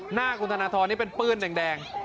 หน้าคุณธนทรนี่เป็นเปื้อนแดง